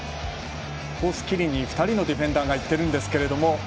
コースきりに２人のディフェンダーがいっているんですけども。